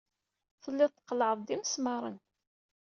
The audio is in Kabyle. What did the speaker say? Telliḍ tqellɛeḍ-d imesmaṛen.